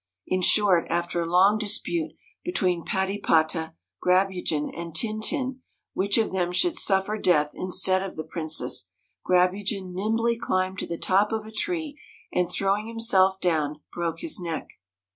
In short, after a long dispute between Patypata, Grabugeon, and Tintin, which of them should suffer death instead of the princess, Grabugeon nimbly climbed to the top of a tree, and throwing himself down, broke his neck.